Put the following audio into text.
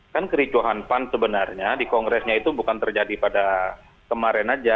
kan kericuhan pan sebenarnya di kongresnya itu bukan terjadi pada kemarin aja